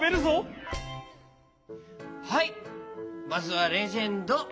はいまずはレジェンド。